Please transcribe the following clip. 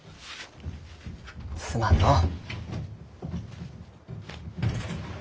すまんのう。